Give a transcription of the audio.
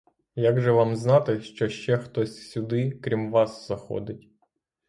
Як же вам знати, що ще хтось сюди, крім вас, заходить?